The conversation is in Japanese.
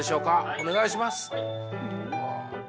お願いします。